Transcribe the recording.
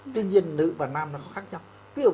tuy nhiên nữ và nam nó có khác nhau